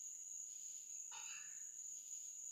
于帕尔拉克人口变化图示